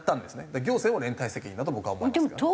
だから行政も連帯責任だと僕は思いますけどね。